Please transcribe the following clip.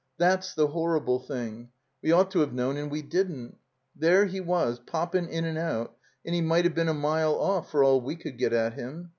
That's the hor rible thing. We ought to have known and we didn't. There he was, poppin' in and out, and he might have been a mile off for all we could get at him.